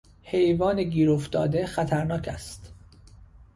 حیوان گیر افتاده خطرناک است.